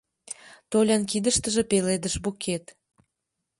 Толян кидыштыже пеледыш букет.